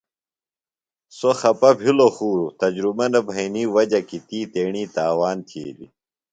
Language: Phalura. سوۡ خپہ بِھلوۡ خوۡ تجربہ نہ بھئینی وجہ کیۡ تی تیݨیۡ تاوان تِھیلیۡ۔